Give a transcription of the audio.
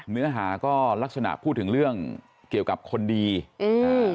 เนื้อหาก็ลักษณะพูดถึงเรื่องเกี่ยวกับคนดีอืมอ่า